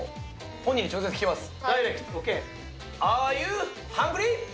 本人に直接聞きます。